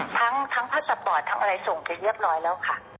ทั้งพาสปอร์ตทั้งอะไรส่งไปเรียบร้อยแล้วค่ะ